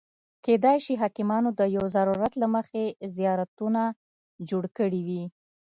کېدای شي حاکمانو د یو ضرورت له مخې زیارتونه جوړ کړي وي.